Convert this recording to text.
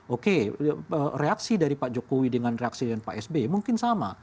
oke reaksi dari pak jokowi dengan reaksi dari pak s b mungkin sama